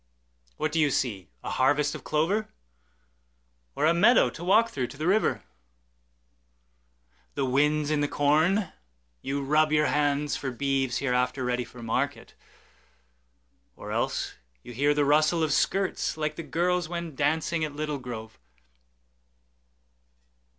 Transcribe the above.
What do you see, a harvest of clover? Or a meadow to walk through to the river? The wind's in the corn; you rub your handsFor beeves hereafter ready for market; Or else you hear the rustle of skirtsLike the girls when dancing at Little Grove.